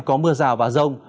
có mưa rào và rông